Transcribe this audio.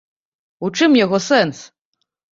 У чым яго сэнс?